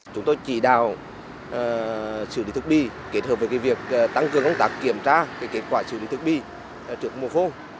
chúng tôi chỉ đào xử lý thức bi kết hợp với việc tăng cường công tác kiểm tra kết quả xử lý thức bi trước mùa khô